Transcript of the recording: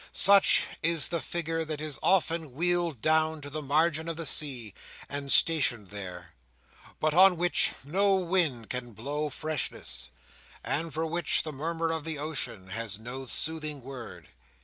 Such is the figure that is often wheeled down to the margin of the sea, and stationed there; but on which no wind can blow freshness, and for which the murmur of the ocean has no soothing word.